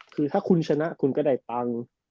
คือถ้าคุณชนะคุณก็ได้ตังค์